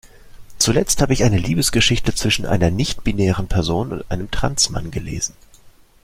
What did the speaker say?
Zuletzt hab ich eine Liebesgeschichte zwischen einer nichtbinären Person und einem Trans-Mann gelesen.